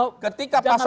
jangan lagi bicara soal